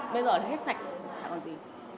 bây giờ là hết sạch chả còn gì